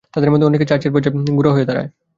তাদের মধ্যে অনেকে চার্চের বেজায় গোঁড়া হয়ে দাঁড়ায়।